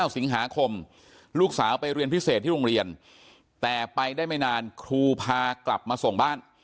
สิงหาคมลูกสาวไปเรียนพิเศษที่โรงเรียนแต่ไปได้ไม่นานครูพากลับมาส่งบ้าน